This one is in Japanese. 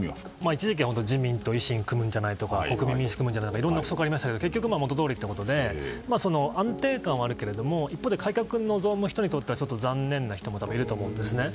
一時期は本当に自民と維新が組むんじゃないかとか国民民主と組むんじゃないかと憶測がありましたが結局元どおりで安定感はあるけれども一方で改革を望む人にとっては残念な人もいると思うんですね。